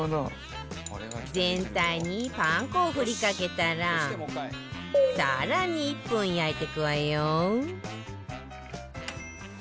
全体にパン粉を振りかけたら更に１分焼いてくわよ